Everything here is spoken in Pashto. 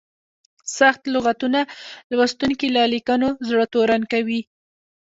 سخت لغتونه لوستونکي له لیکنو زړه تورن کوي.